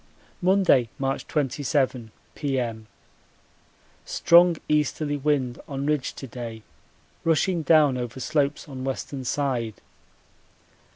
Monday, March 27, P.M. Strong easterly wind on ridge to day rushing down over slopes on western side.